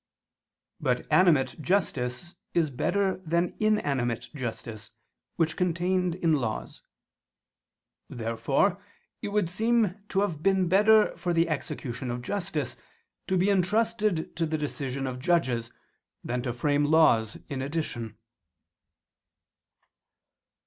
But animate justice is better than inanimate justice, which contained in laws. Therefore it would have been better for the execution of justice to be entrusted to the decision of judges, than to frame laws in addition.